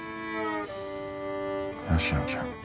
吉野ちゃん。